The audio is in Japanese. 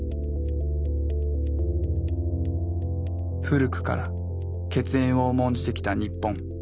古くから血縁を重んじてきた日本。